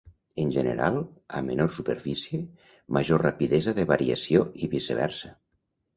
En general, a menor superfície, major rapidesa de variació i viceversa.